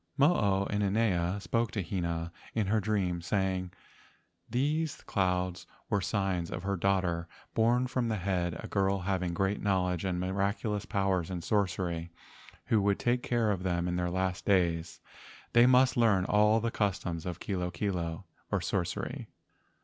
Mo o inanea spoke to Hina in her dreams, say¬ ing that these clouds were signs of her daughter born from the head—a girl having great knowl¬ edge and miraculous power in sorcery, who would take care of them in their last days. They must learn all the customs of kilo kilo, or sorcery.